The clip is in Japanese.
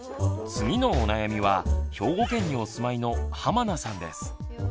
次のお悩みは兵庫県にお住まいの濱名さんです。